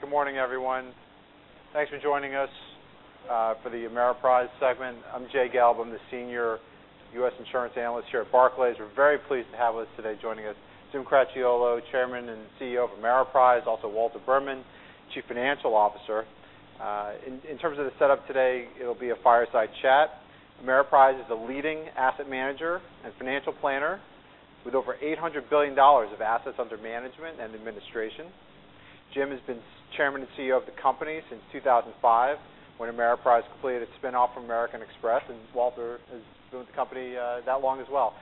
Good morning, everyone. Thanks for joining us for the Ameriprise segment. I'm Jay Gelb. I'm the Senior U.S. Insurance Analyst here at Barclays. We are very pleased to have with us today, joining us, Jim Cracchiolo, Chairman and Chief Executive Officer of Ameriprise. Also, Walter Berman, Chief Financial Officer. In terms of the setup today, it will be a fireside chat. Ameriprise is a leading asset manager and financial planner with over $800 billion of assets under management and administration. Jim has been Chairman and Chief Executive Officer of the company since 2005, when Ameriprise completed its spin-off from American Express, and Walter has been with the company that long as well.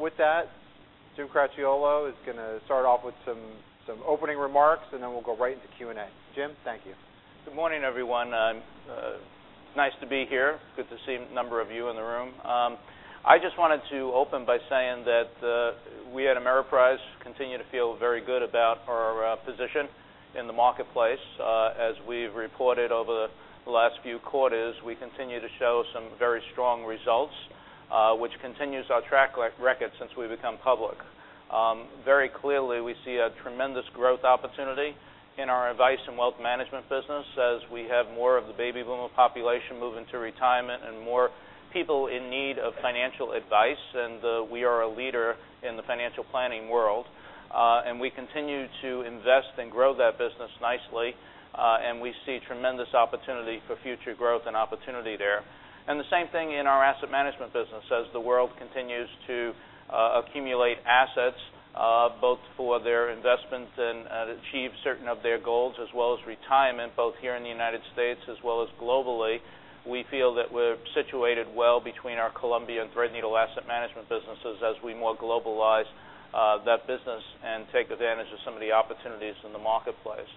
With that, Jim Cracchiolo is going to start off with some opening remarks, and then we will go right into Q&A. Jim, thank you. Good morning, everyone. It is nice to be here. Good to see a number of you in the room. I just wanted to open by saying that we at Ameriprise continue to feel very good about our position in the marketplace. As we have reported over the last few quarters, we continue to show some very strong results, which continues our track record since we have become public. Very clearly, we see a tremendous growth opportunity in our advice and wealth management business as we have more of the baby boomer population moving to retirement and more people in need of financial advice, and we are a leader in the financial planning world. We continue to invest and grow that business nicely, and we see tremendous opportunity for future growth and opportunity there. The same thing in our asset management business, as the world continues to accumulate assets, both for their investments and to achieve certain of their goals as well as retirement, both here in the United States as well as globally. We feel that we are situated well between our Columbia and Threadneedle asset management businesses as we more globalize that business and take advantage of some of the opportunities in the marketplace.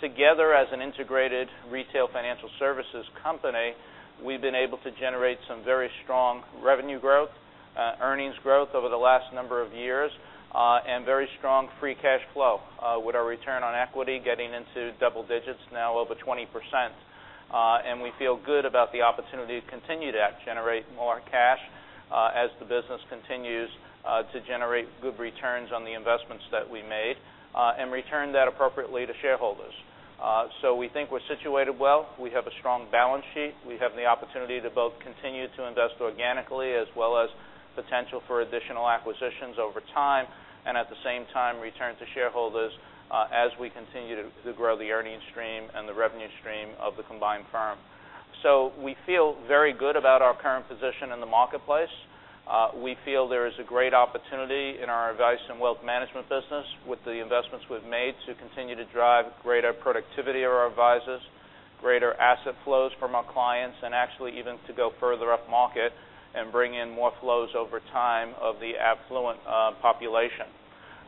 Together, as an integrated retail financial services company, we have been able to generate some very strong revenue growth, earnings growth over the last number of years, and very strong free cash flow, with our return on equity getting into double digits, now over 20%. We feel good about the opportunity to continue to generate more cash as the business continues to generate good returns on the investments that we made and return that appropriately to shareholders. We think we are situated well. We have a strong balance sheet. We have the opportunity to both continue to invest organically as well as potential for additional acquisitions over time, and at the same time, return to shareholders as we continue to grow the earnings stream and the revenue stream of the combined firm. We feel very good about our current position in the marketplace. We feel there is a great opportunity in our advice and wealth management business with the investments we have made to continue to drive greater productivity of our advisors, greater asset flows from our clients, and actually even to go further up market and bring in more flows over time of the affluent population.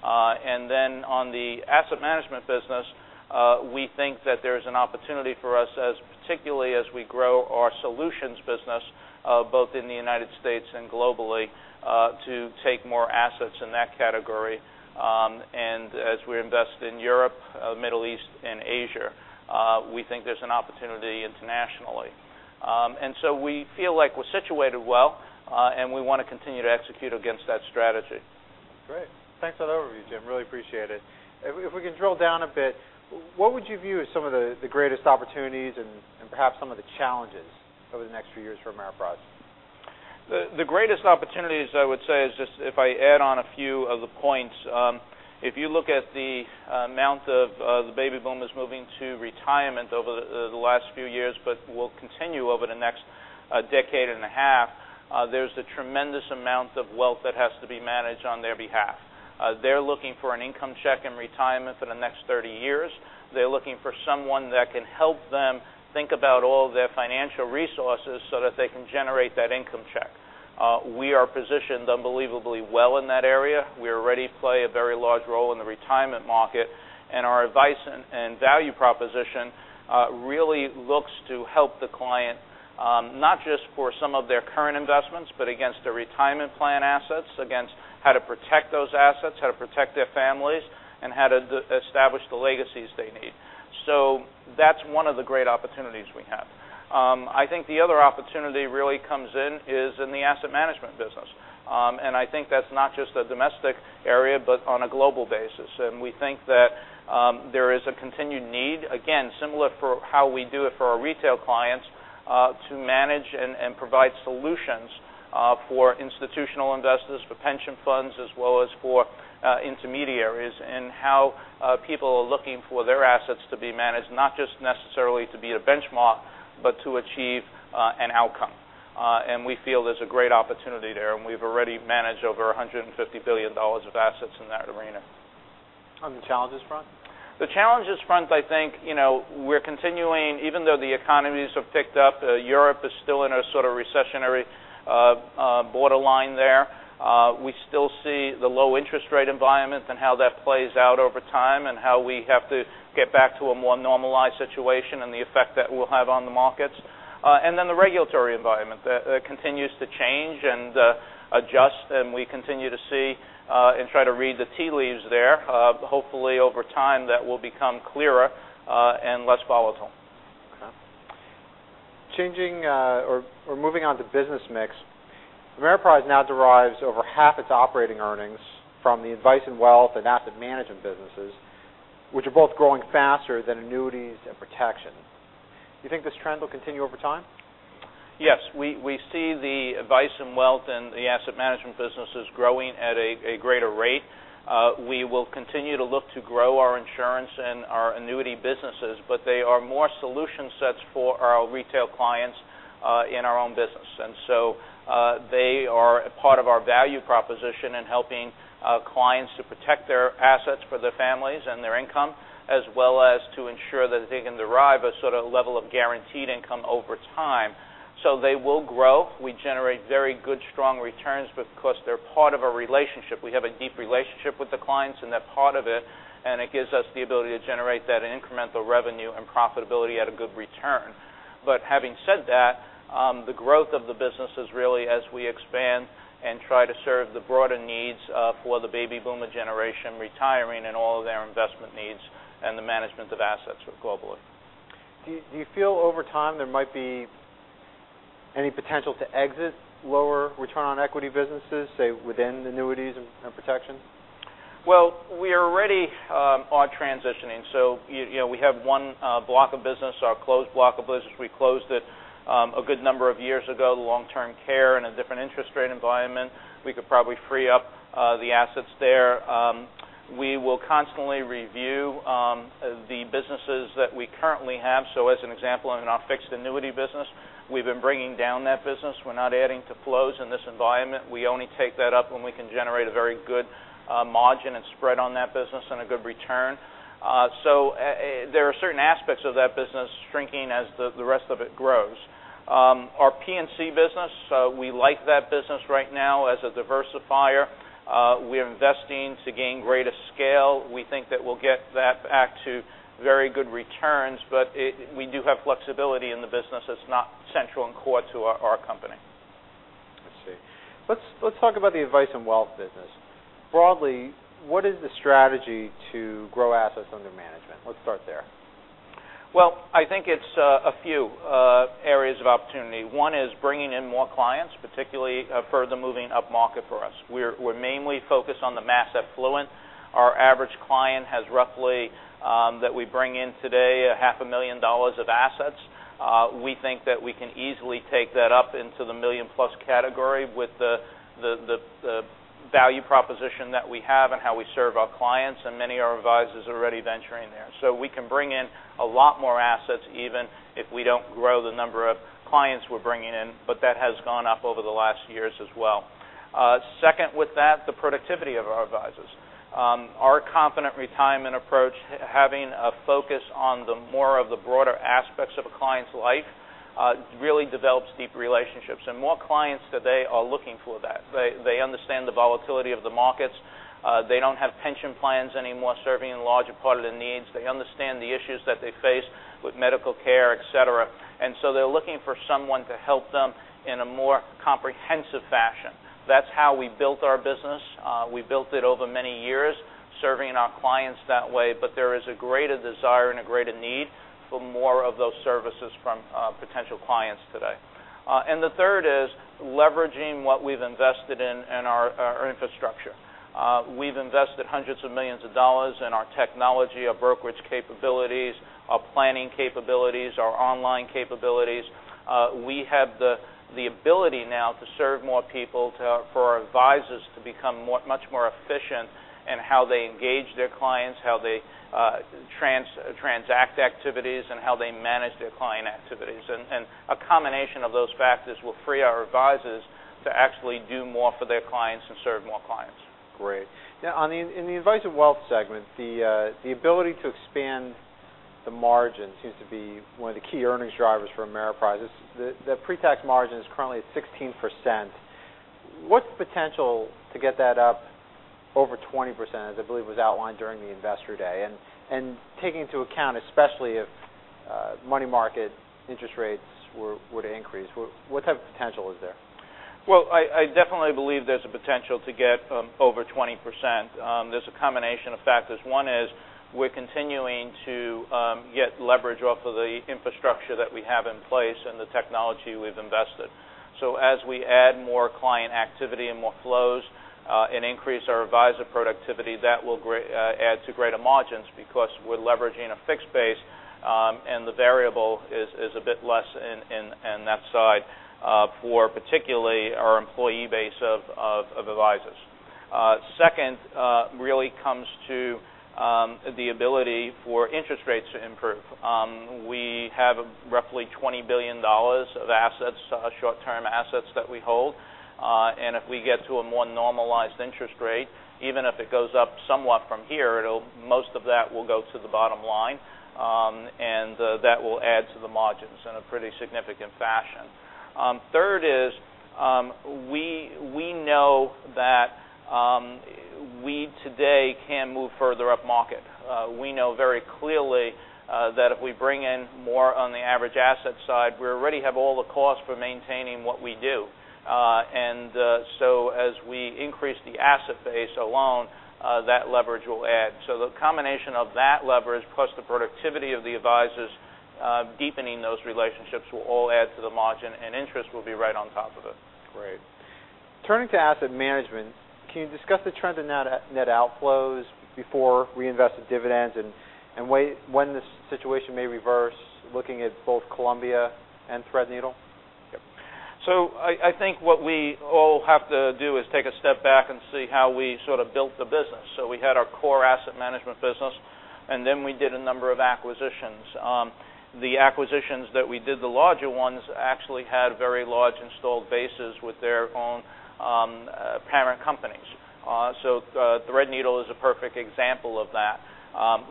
On the asset management business, we think that there's an opportunity for us, particularly as we grow our solutions business both in the U.S. and globally, to take more assets in that category. As we invest in Europe, Middle East, and Asia, we think there's an opportunity internationally. We feel like we're situated well, and we want to continue to execute against that strategy. Great. Thanks for that overview, Jim. Really appreciate it. If we can drill down a bit, what would you view as some of the greatest opportunities and perhaps some of the challenges over the next few years for Ameriprise? The greatest opportunities, I would say, is just if I add on a few of the points. If you look at the amount of the baby boomers moving to retirement over the last few years, but will continue over the next decade and a half, there's a tremendous amount of wealth that has to be managed on their behalf. They're looking for an income check in retirement for the next 30 years. They're looking for someone that can help them think about all their financial resources so that they can generate that income check. We are positioned unbelievably well in that area. We already play a very large role in the retirement market, and our advice and value proposition really looks to help the client, not just for some of their current investments, but against their retirement plan assets, against how to protect those assets, how to protect their families, and how to establish the legacies they need. That's one of the great opportunities we have. I think the other opportunity really comes in is in the asset management business. I think that's not just a domestic area, but on a global basis. We think that there is a continued need, again, similar for how we do it for our retail clients, to manage and provide solutions for institutional investors, for pension funds, as well as for intermediaries, how people are looking for their assets to be managed, not just necessarily to be a benchmark, but to achieve an outcome. We feel there's a great opportunity there, we've already managed over $150 billion of assets in that arena. On the challenges front? The challenges front, I think, we're continuing, even though the economies have picked up, Europe is still in a sort of recessionary borderline there. We still see the low interest rate environment how that plays out over time, how we have to get back to a more normalized situation and the effect that will have on the markets. Then the regulatory environment that continues to change and adjust, we continue to see and try to read the tea leaves there. Hopefully over time, that will become clearer and less volatile. Changing or moving on to business mix, Ameriprise Financial now derives over half its operating earnings from the advice and wealth and asset management businesses, which are both growing faster than annuities and protection. Do you think this trend will continue over time? Yes. We see the advice and wealth and the asset management businesses growing at a greater rate. We will continue to look to grow our insurance and our annuity businesses, but they are more solution sets for our retail clients in our own business. They are a part of our value proposition in helping clients to protect their assets for their families and their income, as well as to ensure that they can derive a sort of level of guaranteed income over time. They will grow. We generate very good, strong returns because they're part of a relationship. We have a deep relationship with the clients, and they're part of it, and it gives us the ability to generate that incremental revenue and profitability at a good return. Having said that, the growth of the business is really as we expand and try to serve the broader needs for the baby boomer generation retiring and all of their investment needs and the management of assets globally. Do you feel over time there might be any potential to exit lower return on equity businesses, say, within annuities and protection? Well, we already are transitioning. We have one block of business, our closed block of business. We closed it a good number of years ago, the long-term care in a different interest rate environment. We could probably free up the assets there. We will constantly review the businesses that we currently have. As an example, in our fixed annuity business, we've been bringing down that business. We're not adding to flows in this environment. We only take that up when we can generate a very good margin and spread on that business and a good return. There are certain aspects of that business shrinking as the rest of it grows. Our P&C business, we like that business right now as a diversifier. We're investing to gain greater scale. We think that we'll get that back to very good returns. We do have flexibility in the business that's not central and core to our company. I see. Let's talk about the advice and wealth business. Broadly, what is the strategy to grow assets under management? Let's start there. Well, I think it's a few areas of opportunity. One is bringing in more clients, particularly further moving up market for us. We're mainly focused on the mass affluent. Our average client has roughly, that we bring in today, a half a million dollars of assets. We think that we can easily take that up into the million-plus category with the value proposition that we have and how we serve our clients. Many of our advisors are already venturing there. We can bring in a lot more assets, even if we don't grow the number of clients we're bringing in. That has gone up over the last years as well. Second, with that, the productivity of our advisors. Our Confident Retirement approach, having a focus on the more of the broader aspects of a client's life really develops deep relationships. More clients today are looking for that. They understand the volatility of the markets. They don't have pension plans anymore serving a larger part of their needs. They understand the issues that they face with medical care, et cetera. They're looking for someone to help them in a more comprehensive fashion. That's how we built our business. We built it over many years serving our clients that way. There is a greater desire and a greater need for more of those services from potential clients today. The third is leveraging what we've invested in in our infrastructure. We've invested hundreds of millions of dollars in our technology, our brokerage capabilities, our planning capabilities, our online capabilities. We have the ability now to serve more people, for our advisors to become much more efficient in how they engage their clients, how they transact activities, and how they manage their client activities. A combination of those factors will free our advisors to actually do more for their clients and serve more clients. Great. Now, in the Advice and Wealth segment, the ability to expand the margin seems to be one of the key earnings drivers for Ameriprise. The pre-tax margin is currently at 16%. What's the potential to get that up over 20%, as I believe was outlined during the investor day? Taking into account, especially if money market interest rates were to increase, what type of potential is there? Well, I definitely believe there's a potential to get over 20%. There's a combination of factors. One is we're continuing to get leverage off of the infrastructure that we have in place and the technology we've invested. As we add more client activity and more flows and increase our advisor productivity, that will add to greater margins because we're leveraging a fixed base and the variable is a bit less in that side for particularly our employee base of advisors. Second really comes to the ability for interest rates to improve. We have roughly $20 billion of assets, short-term assets that we hold. If we get to a more normalized interest rate, even if it goes up somewhat from here, most of that will go to the bottom line, and that will add to the margins in a pretty significant fashion. Third is we know that we today can move further up market. We know very clearly that if we bring in more on the average asset side, we already have all the costs for maintaining what we do. As we increase the asset base alone, that leverage will add. The combination of that leverage plus the productivity of the advisors deepening those relationships will all add to the margin, and interest will be right on top of it. Great. Turning to asset management, can you discuss the trend in net outflows before reinvested dividends, and when this situation may reverse, looking at both Columbia and Threadneedle? Yep. I think what we all have to do is take a step back and see how we built the business. We had our core asset management business, then we did a number of acquisitions. The acquisitions that we did, the larger ones actually had very large installed bases with their own parent companies. Threadneedle is a perfect example of that.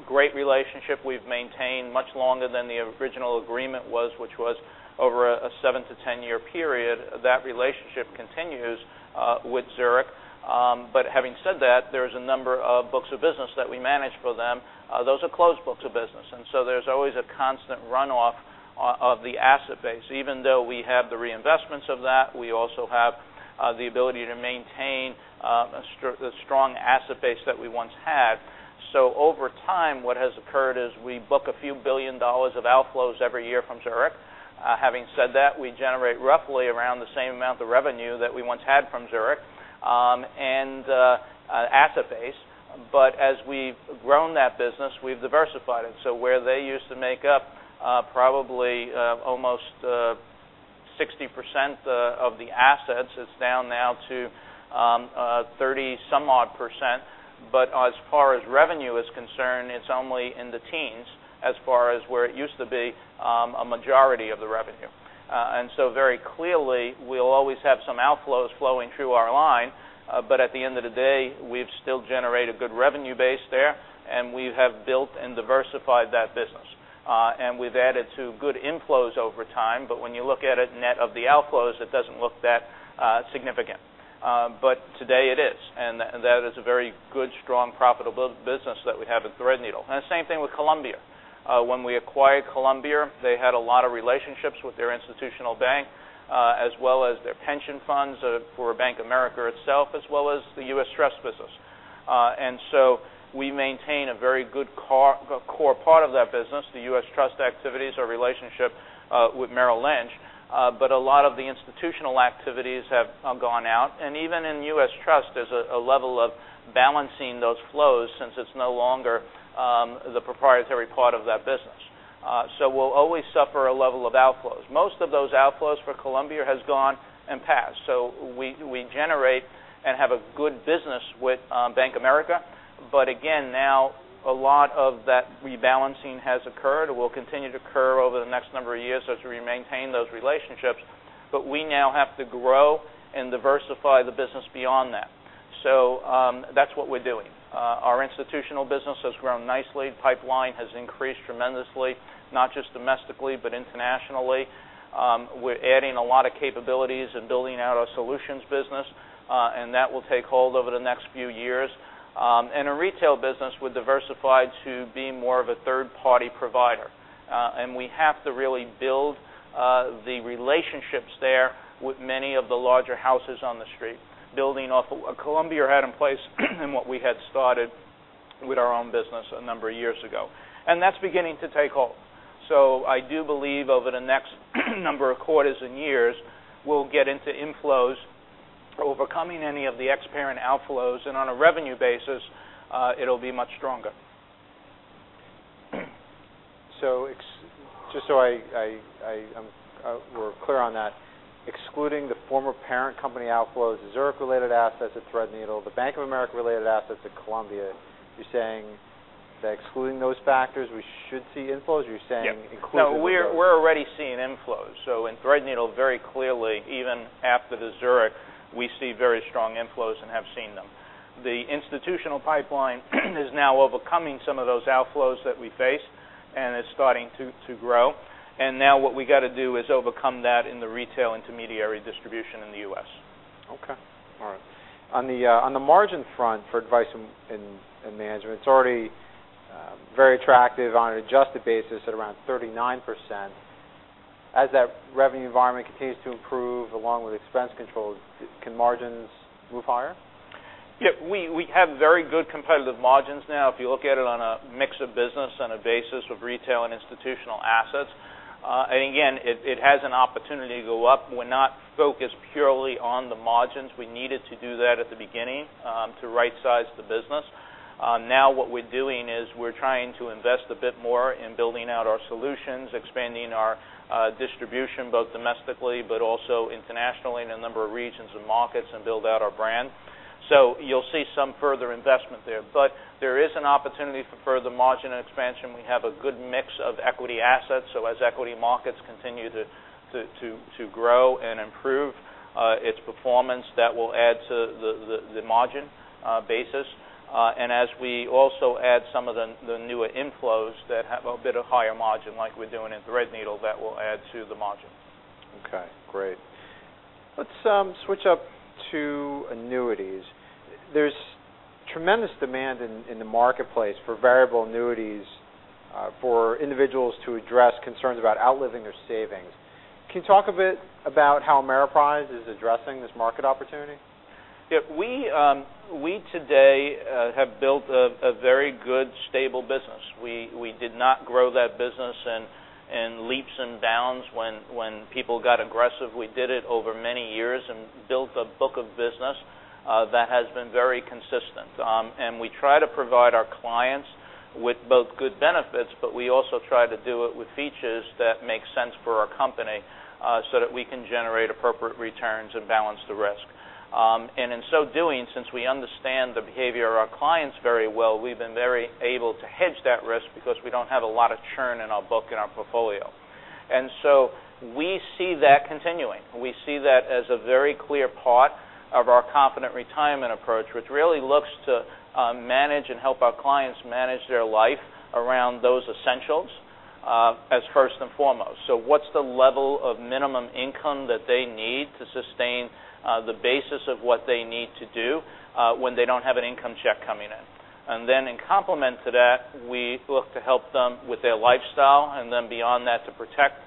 Great relationship we've maintained much longer than the original agreement was, which was over a 7-10-year period. That relationship continues with Zurich. Having said that, there is a number of books of business that we manage for them. Those are closed books of business, there's always a constant runoff of the asset base. Even though we have the reinvestments of that, we also have the ability to maintain the strong asset base that we once had. Over time, what has occurred is we book a few billion dollars of outflows every year from Zurich. Having said that, we generate roughly around the same amount of revenue that we once had from Zurich, and asset base. As we've grown that business, we've diversified it. Where they used to make up probably almost 60% of the assets, it's down now to 30 some odd %. As far as revenue is concerned, it's only in the teens as far as where it used to be a majority of the revenue. Very clearly, we'll always have some outflows flowing through our line. At the end of the day, we've still generated good revenue base there, we have built and diversified that business. We've added to good inflows over time. When you look at it net of the outflows, it doesn't look that significant. Today it is, and that is a very good, strong, profitable business that we have at Threadneedle. The same thing with Columbia. When we acquired Columbia, they had a lot of relationships with their institutional bank, as well as their pension funds for Bank of America itself, as well as the U.S. Trust business. We maintain a very good core part of that business, the U.S. Trust activities, our relationship with Merrill Lynch. A lot of the institutional activities have gone out, and even in U.S. Trust, there's a level of balancing those flows since it's no longer the proprietary part of that business. We'll always suffer a level of outflows. Most of those outflows for Columbia has gone and passed. We generate and have a good business with Bank of America. Again, now a lot of that rebalancing has occurred and will continue to occur over the next number of years as we maintain those relationships. We now have to grow and diversify the business beyond that. That's what we're doing. Our institutional business has grown nicely. Pipeline has increased tremendously, not just domestically, but internationally. We're adding a lot of capabilities and building out our solutions business. That will take hold over the next few years. Our retail business, we've diversified to being more of a third-party provider. We have to really build the relationships there with many of the larger houses on The Street, building off what Columbia had in place and what we had started with our own business a number of years ago. That's beginning to take hold. I do believe over the next number of quarters and years, we'll get into inflows overcoming any of the ex-parent outflows, and on a revenue basis, it'll be much stronger. Just so we're clear on that, excluding the former parent company outflows, the Zurich-related assets at Threadneedle, the Bank of America-related assets at Columbia, you're saying that excluding those factors, we should see inflows? Or you're saying including those? No, we're already seeing inflows. In Threadneedle, very clearly, even after the Zurich, we see very strong inflows and have seen them. The institutional pipeline is now overcoming some of those outflows that we faced, and it's starting to grow. Now what we got to do is overcome that in the retail intermediary distribution in the U.S. Okay. All right. On the margin front for advice and management, it's already very attractive on an adjusted basis at around 39%. As that revenue environment continues to improve along with expense controls, can margins move higher? Yeah. We have very good competitive margins now. If you look at it on a mix of business on a basis with retail and institutional assets, again, it has an opportunity to go up. We're not focused purely on the margins. We needed to do that at the beginning to right-size the business. Now what we're doing is we're trying to invest a bit more in building out our solutions, expanding our distribution, both domestically, but also internationally in a number of regions and markets, and build out our brand. You'll see some further investment there. There is an opportunity for further margin expansion. We have a good mix of equity assets, as equity markets continue to grow and improve its performance, that will add to the margin basis. As we also add some of the newer inflows that have a bit of higher margin like we're doing in Threadneedle, that will add to the margin. Okay, great. Let's switch up to annuities. There's tremendous demand in the marketplace for variable annuities for individuals to address concerns about outliving their savings. Can you talk a bit about how Ameriprise is addressing this market opportunity? Yeah. We today have built a very good, stable business. We did not grow that business in leaps and bounds when people got aggressive. We did it over many years and built a book of business that has been very consistent. We try to provide our clients with both good benefits, but we also try to do it with features that make sense for our company so that we can generate appropriate returns and balance the risk. In so doing, since we understand the behavior of our clients very well, we've been very able to hedge that risk because we don't have a lot of churn in our book, in our portfolio. We see that continuing. We see that as a very clear part of our Confident Retirement approach, which really looks to manage and help our clients manage their life around those essentials, as first and foremost. What's the level of minimum income that they need to sustain the basis of what they need to do when they don't have an income check coming in? In complement to that, we look to help them with their lifestyle. Beyond that, to protect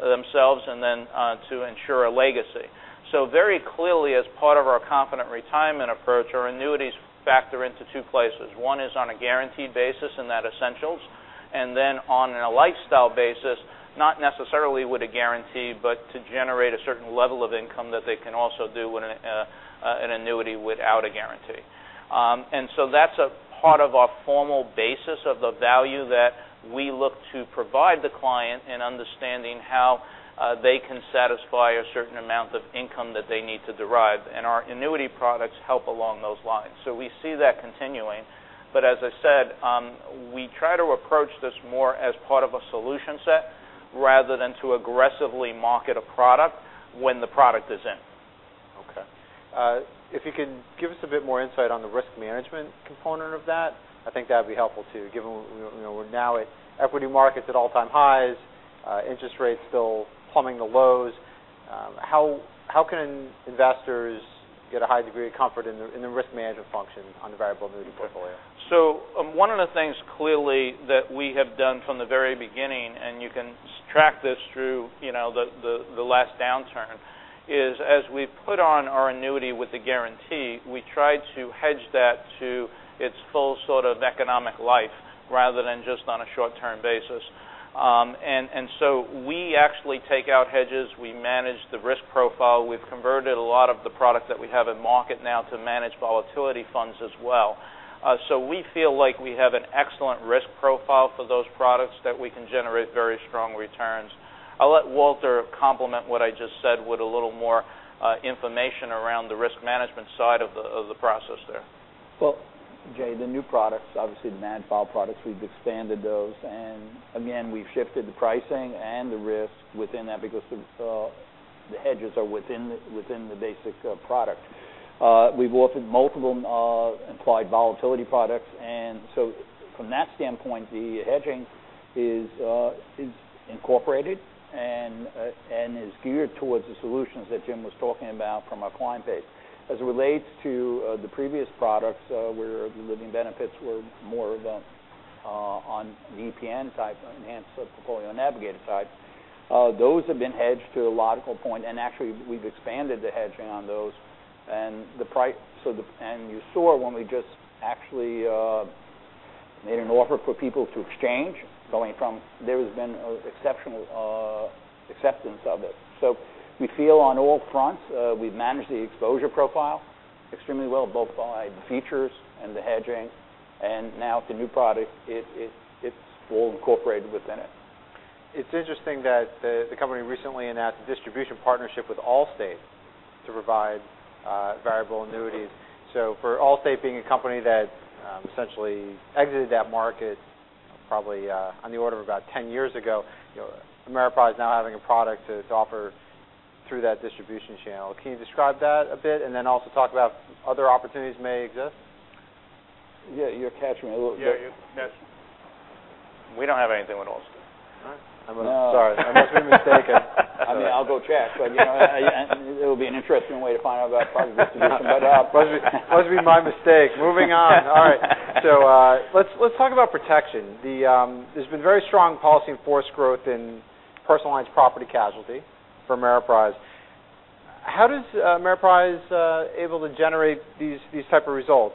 themselves. To ensure a legacy. Very clearly, as part of our Confident Retirement approach, our annuities factor into two places. One is on a guaranteed basis in that essentials, and then on a lifestyle basis, not necessarily with a guarantee, but to generate a certain level of income that they can also do with an annuity without a guarantee. That's a part of our formal basis of the value that we look to provide the client in understanding how they can satisfy a certain amount of income that they need to derive, and our annuity products help along those lines. We see that continuing. As I said, we try to approach this more as part of a solution set rather than to aggressively market a product when the product is in. Okay. If you can give us a bit more insight on the risk management component of that, I think that'd be helpful too, given we're now at equity markets at all-time highs, interest rates still plumbing the lows. How can investors get a high degree of comfort in the risk management function on the variable annuity portfolio? One of the things, clearly, that we have done from the very beginning, and you can track this through the last downturn, is as we put on our annuity with a guarantee, we try to hedge that to its full sort of economic life rather than just on a short-term basis. We actually take out hedges. We manage the risk profile. We've converted a lot of the product that we have in market now to managed volatility funds as well. We feel like we have an excellent risk profile for those products that we can generate very strong returns. I'll let Walter complement what I just said with a little more information around the risk management side of the process there. Well, Jay, the new products, obviously the managed vol products, we've expanded those, and again, we've shifted the pricing and the risk within that because the hedges are within the basic product. We've offered multiple implied volatility products, and from that standpoint, the hedging is incorporated and is geared towards the solutions that Jim was talking about from a client base. As it relates to the previous products, where the living benefits were more of on the EPN type, Enhanced Portfolio Navigator type, those have been hedged to a logical point, and actually we've expanded the hedging on those. You saw when we just actually made an offer for people to exchange, there has been exceptional acceptance of it. We feel on all fronts we've managed the exposure profile extremely well, both by the features and the hedging, and now with the new product, it's all incorporated within it. It's interesting that the company recently announced a distribution partnership with Allstate to provide variable annuities. For Allstate being a company that essentially exited that market probably on the order of about 10 years ago, Ameriprise now having a product to offer through that distribution channel. Can you describe that a bit and then also talk about other opportunities may exist? Yeah, you're catching me a little bit. Yeah, Yes. We don't have anything with Allstate. What? I'm sorry. I must be mistaken. I mean, I'll go check, it'll be an interesting way to find out about partner distribution. Must be my mistake. Moving on. All right. Let's talk about protection. There's been very strong policy in force growth in personal lines property casualty for Ameriprise. How is Ameriprise able to generate these type of results?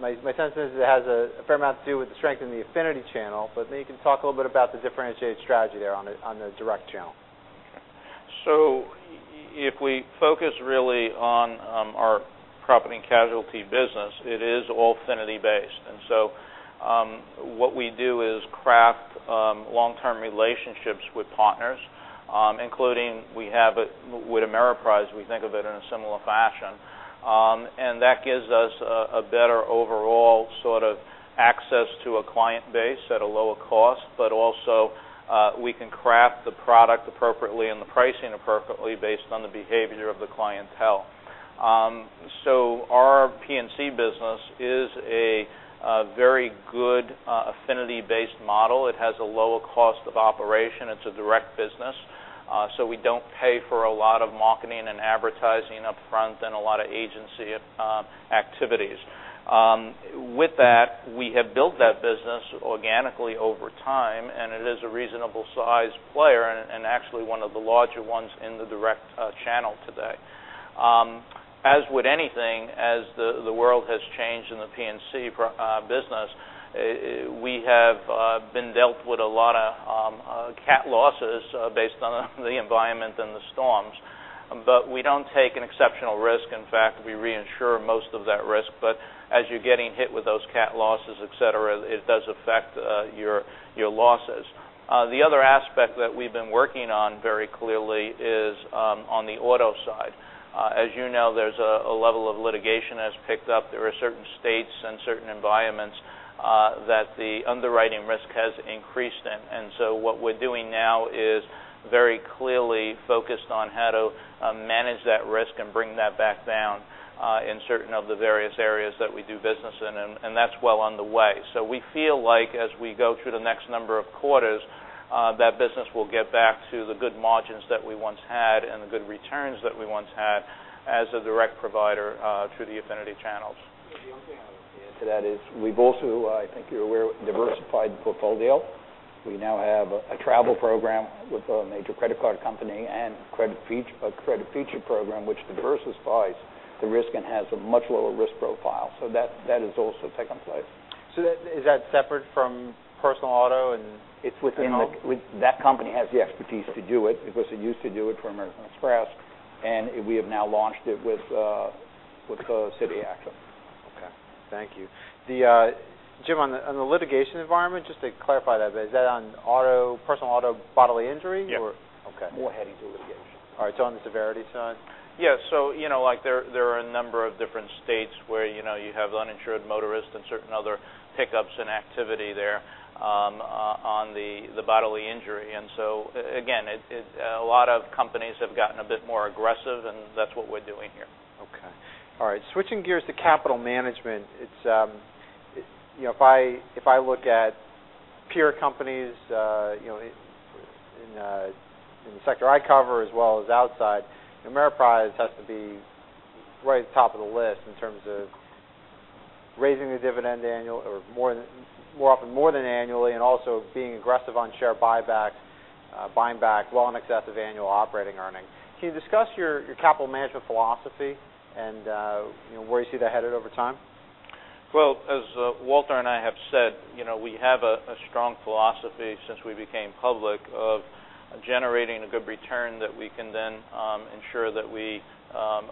My sense is it has a fair amount to do with the strength in the affinity channel, maybe you can talk a little bit about the differentiated strategy there on the direct channel. If we focus really on our property and casualty business, it is all affinity based. What we do is craft long-term relationships with partners. Including we have it with Ameriprise, we think of it in a similar fashion. That gives us a better overall sort of access to a client base at a lower cost, but also we can craft the product appropriately and the pricing appropriately based on the behavior of the clientele. Our P&C business is A very good affinity-based model. It has a lower cost of operation. It's a direct business, we don't pay for a lot of marketing and advertising upfront and a lot of agency activities. With that, we have built that business organically over time, and it is a reasonable size player and actually one of the larger ones in the direct channel today. As with anything, as the world has changed in the P&C business, we have been dealt with a lot of catastrophe losses based on the environment and the storms, but we don't take an exceptional risk. In fact, we reinsure most of that risk. As you're getting hit with those catastrophe losses, et cetera, it does affect your losses. The other aspect that we've been working on very clearly is on the auto side. As you know, there's a level of litigation that has picked up. There are certain states and certain environments that the underwriting risk has increased. What we're doing now is very clearly focused on how to manage that risk and bring that back down in certain of the various areas that we do business in. That's well on the way. We feel like as we go through the next number of quarters, that business will get back to the good margins that we once had and the good returns that we once had as a direct provider to the affinity channels. The only thing I would add to that is we've also, I think you're aware, diversified the portfolio. We now have a travel program with a major credit card company and a credit feature program which diversifies the risk and has a much lower risk profile. That has also taken place. Is that separate from personal auto and home? That company has the expertise to do it because it used to do it for American Express, and we have now launched it with Barclays. Thank you. Jim, on the litigation environment, just to clarify that, is that on personal auto bodily injury or- Yes. Okay. More heading to litigation. All right. On the severity side? Yes. There are a number of different states where you have uninsured motorists and certain other hiccups in activity there on the bodily injury. Again, a lot of companies have gotten a bit more aggressive, and that's what we're doing here. Okay. All right. Switching gears to capital management. If I look at peer companies in the sector I cover as well as outside, Ameriprise has to be right at the top of the list in terms of raising the dividend more than annually and also being aggressive on share buybacks, buying back well in excess of annual operating earnings. Can you discuss your capital management philosophy and where you see that headed over time? Well, as Walter and I have said, we have a strong philosophy since we became public of generating a good return that we can then ensure that we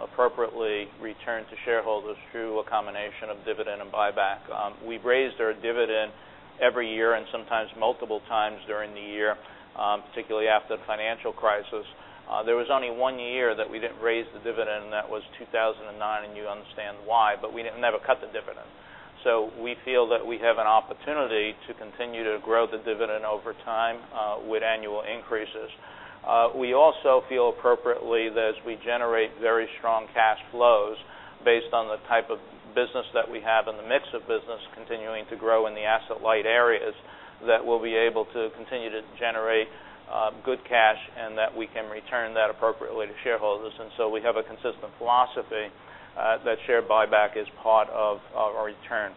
appropriately return to shareholders through a combination of dividend and buyback. We've raised our dividend every year and sometimes multiple times during the year, particularly after the financial crisis. There was only one year that we didn't raise the dividend, and that was 2009, and you understand why, but we never cut the dividend. We feel that we have an opportunity to continue to grow the dividend over time with annual increases. We also feel appropriately that as we generate very strong cash flows based on the type of business that we have and the mix of business continuing to grow in the asset-light areas, that we'll be able to continue to generate good cash and that we can return that appropriately to shareholders. We have a consistent philosophy that share buyback is part of our return.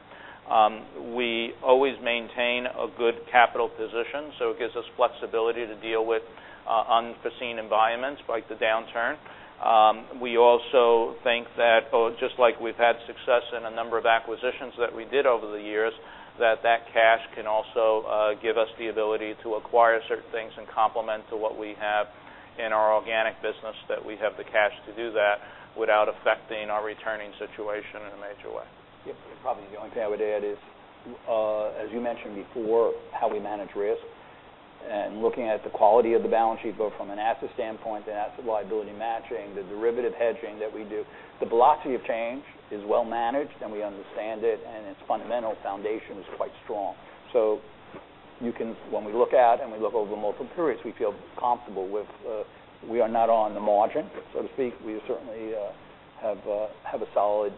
We always maintain a good capital position, so it gives us flexibility to deal with unforeseen environments like the downturn. We also think that, just like we've had success in a number of acquisitions that we did over the years, that that cash can also give us the ability to acquire certain things and complement to what we have in our organic business, that we have the cash to do that without affecting our returning situation in a major way. Yeah. Probably the only thing I would add is, as you mentioned before, how we manage risk and looking at the quality of the balance sheet, both from an asset standpoint, the asset liability matching, the derivative hedging that we do. The velocity of change is well managed, and we understand it, and its fundamental foundation is quite strong. When we look at and we look over multiple periods, we feel comfortable with, we are not on the margin, so to speak. We certainly have a solid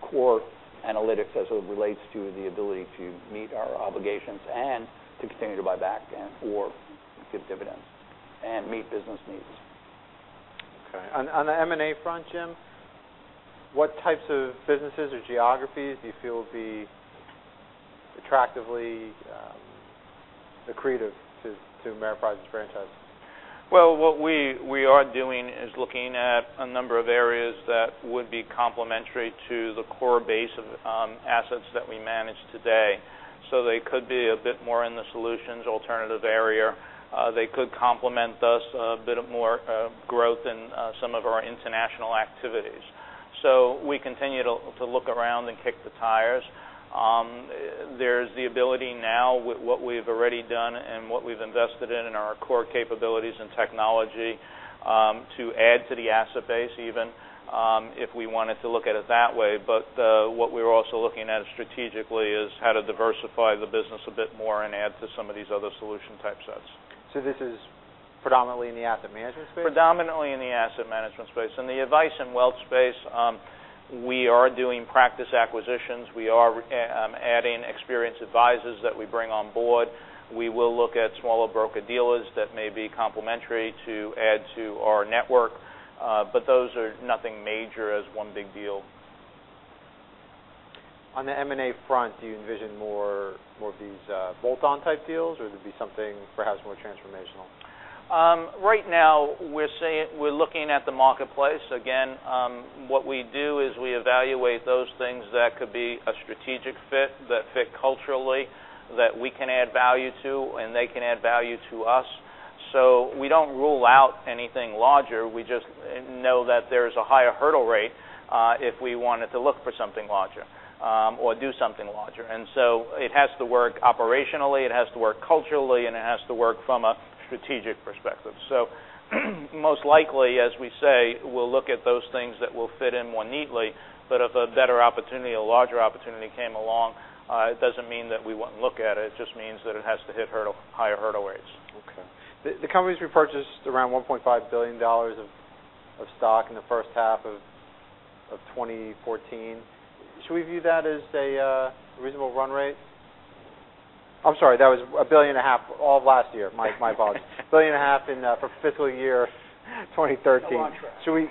core analytics as it relates to the ability to meet our obligations and to continue to buy back and/or give dividends and meet business needs. Okay. On the M&A front, Jim, what types of businesses or geographies do you feel would be attractively accretive to Ameriprise's franchise? Well, what we are doing is looking at a number of areas that would be complementary to the core base of assets that we manage today. They could be a bit more in the solutions alternative area. They could complement us a bit more growth in some of our international activities. We continue to look around and kick the tires. There's the ability now with what we've already done and what we've invested in our core capabilities and technology, to add to the asset base, even, if we wanted to look at it that way. What we're also looking at strategically is how to diversify the business a bit more and add to some of these other solution type sets. This is Predominantly in the asset management space? Predominantly in the asset management space. In the advice and wealth space, we are doing practice acquisitions. We are adding experienced advisors that we bring on board. We will look at smaller broker-dealers that may be complementary to add to our network. Those are nothing major as one big deal. On the M&A front, do you envision more of these bolt-on type deals, or would it be something perhaps more transformational? Right now, we're looking at the marketplace. Again, what we do is we evaluate those things that could be a strategic fit, that fit culturally, that we can add value to, and they can add value to us. We don't rule out anything larger. We just know that there's a higher hurdle rate if we wanted to look for something larger or do something larger. It has to work operationally, it has to work culturally, and it has to work from a strategic perspective. Most likely, as we say, we'll look at those things that will fit in more neatly. If a better opportunity, a larger opportunity came along, it doesn't mean that we wouldn't look at it. It just means that it has to hit higher hurdle rates. Okay. The company's repurchased around $1.5 billion of stock in the first half of 2014. Should we view that as a reasonable run rate? I'm sorry, that was a billion and a half all of last year. My apologies. A billion and a half for fiscal year 2013. It's on track.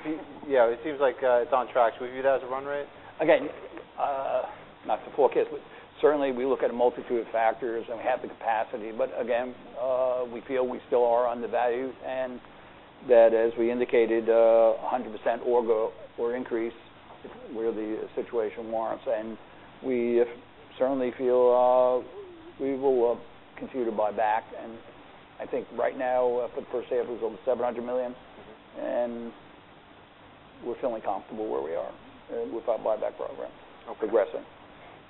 Yeah, it seems like it's on track. Should we view that as a run rate? Not to forecast it, but certainly we look at a multitude of factors, and we have the capacity. Again, we feel we still are undervalued, and that, as we indicated, 100% or increase where the situation warrants. We certainly feel we will continue to buy back. I think right now, I put per share, it was over $700 million. We're feeling comfortable where we are with our buyback program progressing.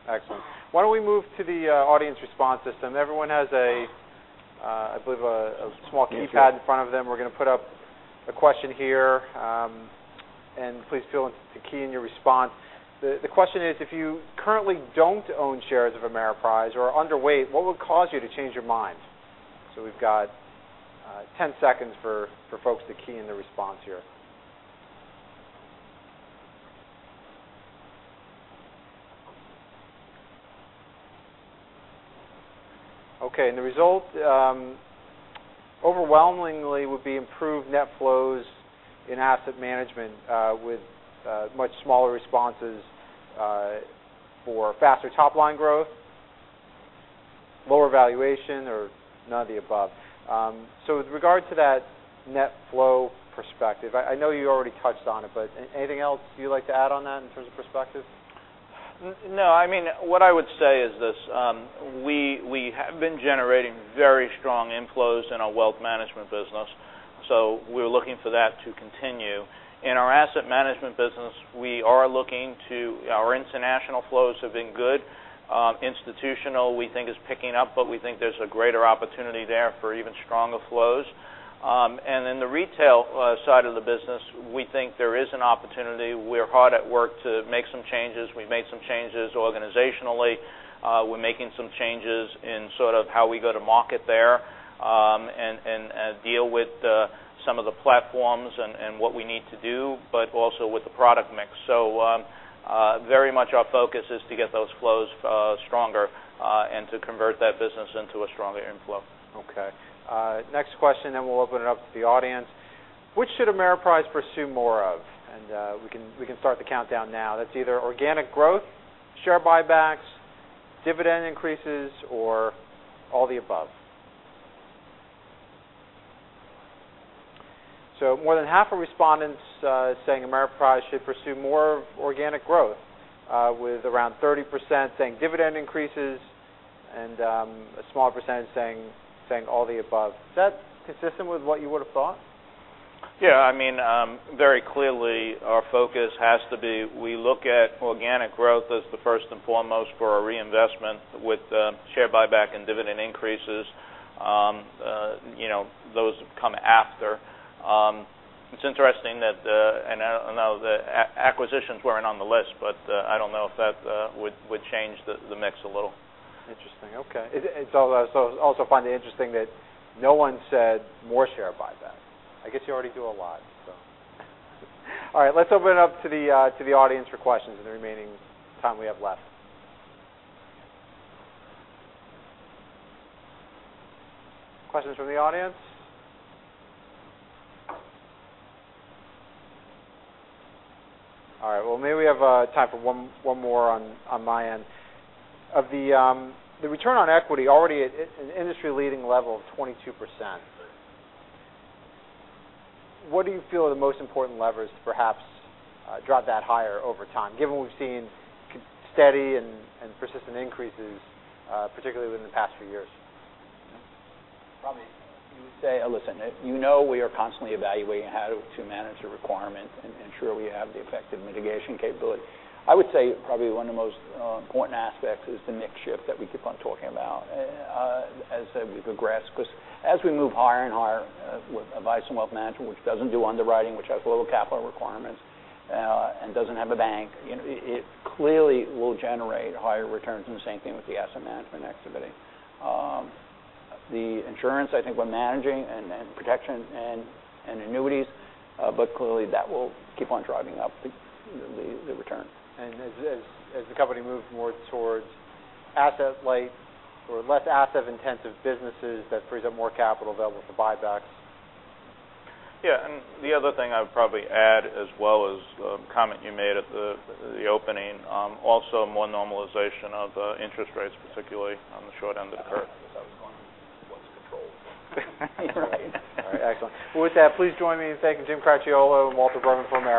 Okay. Excellent. Why don't we move to the audience response system? Everyone has a, I believe, a small keypad in front of them. We're going to put up a question here, and please feel to key in your response. The question is, if you currently don't own shares of Ameriprise or are underweight, what would cause you to change your mind? We've got 10 seconds for folks to key in the response here. Okay, the result overwhelmingly would be improved net flows in asset management with much smaller responses for faster top-line growth, lower valuation, or none of the above. With regard to that net flow perspective, I know you already touched on it, but anything else you'd like to add on that in terms of perspective? No. What I would say is this. We have been generating very strong inflows in our wealth management business. We're looking for that to continue. Our international flows have been good. Institutional, we think, is picking up. We think there's a greater opportunity there for even stronger flows. In the retail side of the business, we think there is an opportunity. We're hard at work to make some changes. We've made some changes organizationally. We're making some changes in how we go to market there, and deal with some of the platforms, and what we need to do, but also with the product mix. Very much our focus is to get those flows stronger and to convert that business into a stronger inflow. Okay. Next question. We'll open it up to the audience. Which should Ameriprise pursue more of? We can start the countdown now. That's either organic growth, share buybacks, dividend increases, or all the above. More than half of respondents saying Ameriprise should pursue more organic growth, with around 30% saying dividend increases, and a smaller percentage saying all the above. Is that consistent with what you would have thought? Yeah. Very clearly our focus has to be we look at organic growth as the first and foremost for our reinvestment with share buyback and dividend increases. Those come after. It's interesting that the acquisitions weren't on the list. I don't know if that would change the mix a little. Interesting. Okay. I also find it interesting that no one said more share buyback. I guess you already do a lot. All right, let's open it up to the audience for questions in the remaining time we have left. Questions from the audience? All right, well, maybe we have time for one more on my end. Of the return on equity already at an industry-leading level of 22%, what do you feel are the most important levers to perhaps drive that higher over time, given we've seen steady and persistent increases, particularly within the past few years? Probably you would say, listen, you know we are constantly evaluating how to manage a requirement and ensure we have the effective mitigation capability. I would say probably one of the most important aspects is the mix shift that we keep on talking about as it progress, because as we move higher and higher with advice and wealth management, which doesn't do underwriting, which has lower capital requirements, and doesn't have a bank, it clearly will generate higher returns, and the same thing with the asset management activity. The insurance, I think we're managing, and protection, and annuities, clearly that will keep on driving up the return. As the company moves more towards asset-light or less asset-intensive businesses, that frees up more capital available for buybacks. Yeah, the other thing I would probably add as well is the comment you made at the opening. Also more normalization of interest rates, particularly on the short end of the curve. That was going once controlled. All right. Excellent. Well, with that, please join me in thanking Jim Cracchiolo and Walter Berman from Ameriprise.